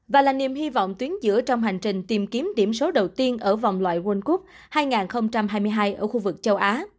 và là niềm hy vọng tuyến giữa trong hành trình tìm kiếm điểm số đầu tiên ở vòng loại world cup hai nghìn hai mươi hai ở khu vực châu á